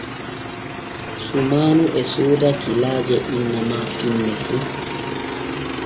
Sumaanu e sooda kilaaje inna ma finne fu.